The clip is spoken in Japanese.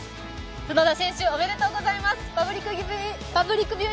角田選手、おめでとうございます。